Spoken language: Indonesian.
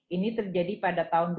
ini terjadi pada tahun dua ribu